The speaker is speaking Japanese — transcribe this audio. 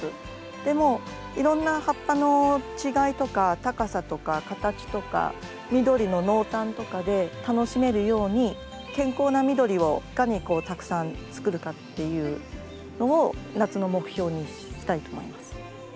でもいろんな葉っぱの違いとか高さとか形とか緑の濃淡とかで楽しめるように健康な緑をいかにたくさんつくるかっていうのを夏の目標にしたいと思います。